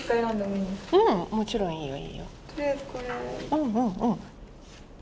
うんうんうん。